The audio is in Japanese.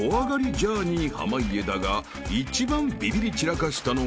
ジャーニー濱家だが一番ビビり散らかしたのが］